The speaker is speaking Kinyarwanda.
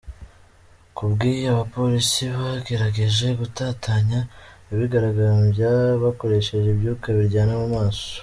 Kubw’ibyo, abapolisi bagerageje gutatanya abigaragambya bakoresheje ibyuka biryana mu maso.